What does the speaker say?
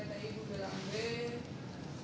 apa sih yang terjadi nih